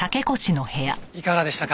いかがでしたか？